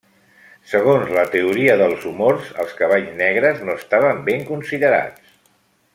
Segons la teoria dels humors, els cavalls negres no estaven ben considerats.